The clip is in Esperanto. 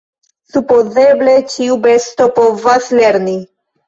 Supozeble ĉiu besto povas lerni.